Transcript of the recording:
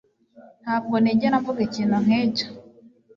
Ntabwo nigera mvuga ikintu nkicyo